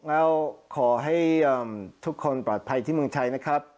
แล้วขอให้ทุกคนปลอดภัยที่เมืองไทยนะครับ